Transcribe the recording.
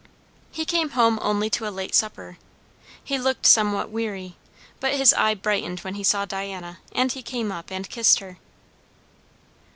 He came home only to a late supper. He looked somewhat weary, but his eye brightened when he saw Diana, and he came up and kissed her.